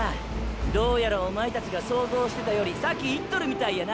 どうやらおまえたちが想像してたより先いっとるみたいやな！！